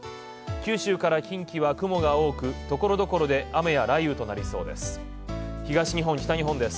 九州から近畿は雲が多く、所々で雨や雷雨となりそうです。